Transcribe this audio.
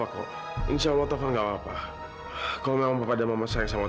kenapa belum dateng juga